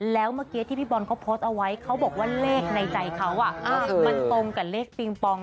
แล้วพี่บอลพอสไว้เลขในใจเขาตรงกับเลขปิงฟอง